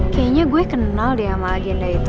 kayaknya gue kenal deh sama agenda itu